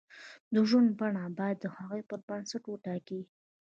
د ژوند بڼه باید د هغو پر بنسټ وټاکي.